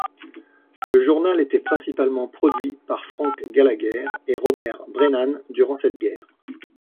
Le journal était principalement produit par Frank Gallagher et Robert Brennan durant cette guerre.